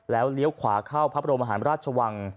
แล้วเลี้ยวขวาเข้าพระบรมหารราชวัง